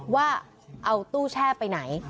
ว่าเอาตู้แช่ไปไหน